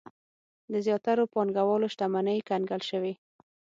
د زیاترو پانګوالو شتمنۍ کنګل شوې.